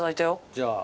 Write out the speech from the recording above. じゃあ。